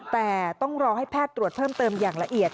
แต่ต้องรอให้แพทย์ตรวจเพิ่มเติมอย่างละเอียด